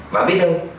và biết không